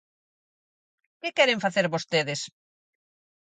¿Que queren facer vostedes?